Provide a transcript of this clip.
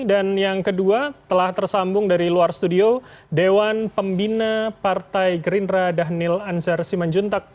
dan yang kedua telah tersambung dari luar studio dewan pembina partai gerindra dhanil anjar simanjuntak